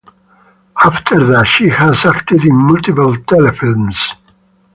After that she has acted in multiple telefilms.